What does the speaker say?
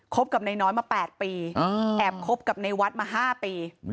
กับนายน้อยมา๘ปีแอบคบกับในวัดมา๕ปี